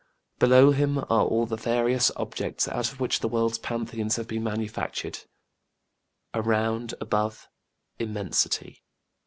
Below him are all the various objects out of which the world's pantheons have been manufactured: around, above Immensity.